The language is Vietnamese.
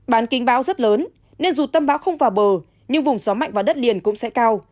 bán kinh bão rất lớn nên dù tâm bão không vào bờ nhưng vùng gió mạnh vào đất liền cũng sẽ cao